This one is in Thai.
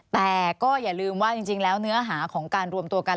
แต่ก็อย่าลืมว่าจริงแล้วเนื้อหาของการรวมตัวกัน